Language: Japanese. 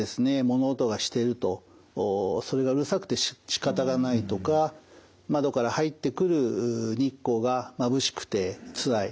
物音がしてるとそれがうるさくてしかたがないとか窓から入ってくる日光がまぶしくてつらい。